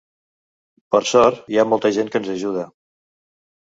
Per sort, hi ha molta gent que ens ajuda.